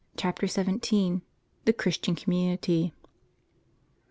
CHAPTER XVII. THE CHRISTIAN COMMUNITY.